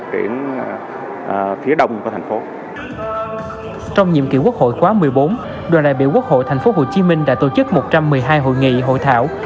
đã tổ chức một trăm một mươi hai hội nghị hội thảo